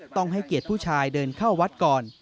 ให้เกียรติผู้ชายเดินเข้าวัดก่อน